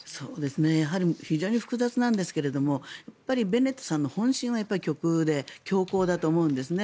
非常に複雑なんですけれどもベネットさんの本心は極右で強硬だと思うんですね。